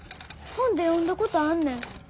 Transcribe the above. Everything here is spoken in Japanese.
本で読んだことあんねん。